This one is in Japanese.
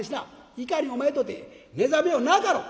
いかにお前とて目覚めようなかろう」。